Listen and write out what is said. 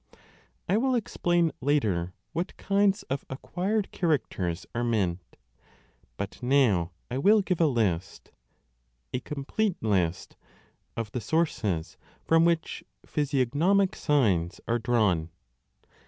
3 I will explain later \vhat kinds of acquired characters are meant, but now I will give a list a complete list of the sources from which physiognomic signs are drawn.